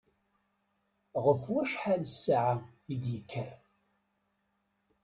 Ɣef wacḥal ssaɛa i d-yekker?